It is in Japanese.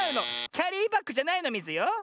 キャリーバッグじゃないのミズよ。